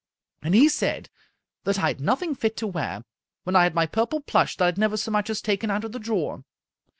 And he said that I had nothing fit to wear, when I had my purple plush that I had never so much as taken out of the drawer.